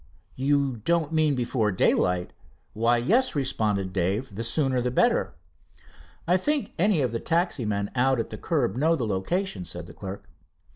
"You don't mean before daylight?" "Why, yes," responded Dave, "the sooner the better." "I think any of the taxi men out at the curb know the location," said the clerk.